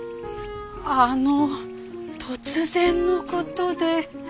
あの突然のことで。